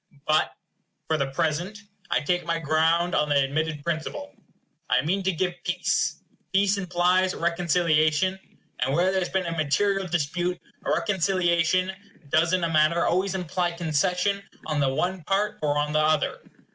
But, for the present, I take my ground on the admitted principle. I mean to give peace. Peace implies reconciliation; and where there has been a material dispute, reconciliation does in a manner always imply concession on the one part or on the other.